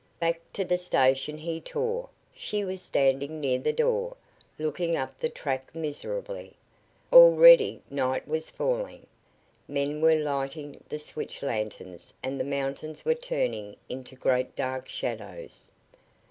Back to the station he tore. She was standing near the door, looking up the track miserably. Already night was falling. Men were lighting the switch lanterns and the mountains were turning into great dark shadows.